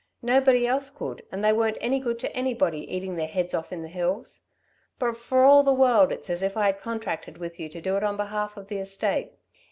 Nobody else could, and they weren't any good to anybody eating their heads off in the hills. But for all the world it's as if I had contracted with you to do it on behalf of the estate.